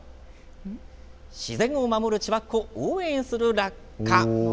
自然を守る千葉っ子応援するラッカ！